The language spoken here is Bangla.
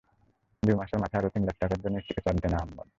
দুই মাসের মাথায় আরও তিন লাখ টাকার জন্য স্ত্রীকে চাপ দেন আহম্মদ।